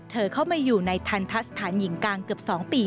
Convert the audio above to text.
เข้ามาอยู่ในทันทะสถานหญิงกลางเกือบ๒ปี